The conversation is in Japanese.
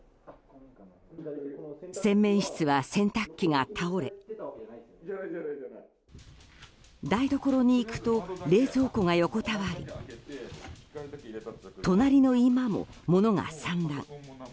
洗面室は洗濯機が倒れ台所に行くと、冷蔵庫が横たわり隣の居間も物が散乱。